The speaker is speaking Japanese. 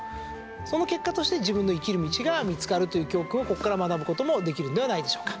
その結果として自分の生きる道が見つかるという教訓をこっから学ぶこともできるんではないでしょうか。